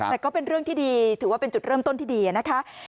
แต่ก็เป็นเรื่องที่ดีถือว่าเป็นจุดเริ่มต้นที่ดีนะคะ